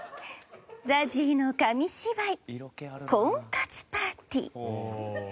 ＺＡＺＹの紙芝居『婚活パーティー』。